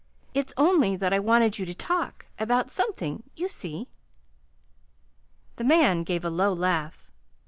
It's only that I wanted you to talk about something, you see." The man gave a low laugh.